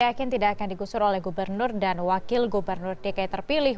yakin tidak akan digusur oleh gubernur dan wakil gubernur dki terpilih